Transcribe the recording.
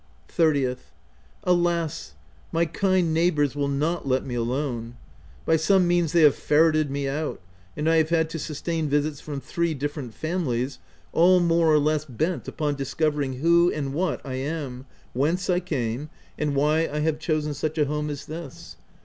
30th. — Alas ! my kind neighbours will not let me alone. By some means they have fer reted me out, and I have had to sustain visits from three different families, all more or less bent upon discovering who and what I am, whence I came, and why I have chosen such a home as this.